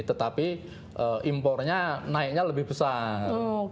tetapi impornya naiknya lebih besar